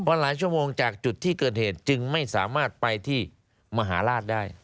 เพราะหลายชั่วโมงจากจุดที่เกิดเหตุจึงไม่สามารถไปที่มหาราชได้